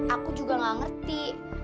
aku juga gak ngerti